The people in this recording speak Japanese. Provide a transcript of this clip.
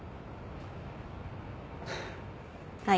はい。